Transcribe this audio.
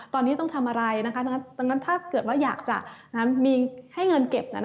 ตอนนี้ต้องทำอะไรถ้าเกิดว่าอยากจะให้เงินเก็บ